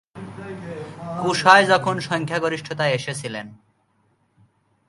কুসায় তখন সংখ্যাগরিষ্ঠতায় এসেছিলেন।